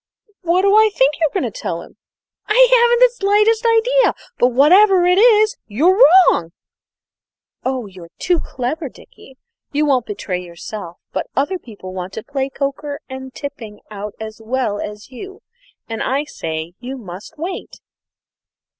"What do I think you are going to tell him?" "I haven't the slightest idea; but, whatever it is, you're wrong." "Ah, you're too clever, Dickie; you won't betray yourself; but other people want to pay Coker and Tipping out as well as you, and I say you must wait."